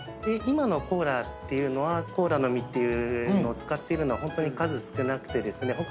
今のコーラっていうのはコーラの実を使っているのはホントに数少なくてですね